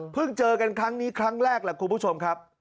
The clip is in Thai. เจอกันครั้งนี้ครั้งแรกแหละคุณผู้ชมครับ